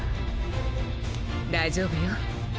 大丈夫よ。